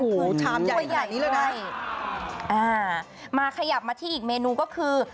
โอ้โหชามใหญ่ขนาดนี้เลยนะมาขยับมาที่อีกเมนูก็คือ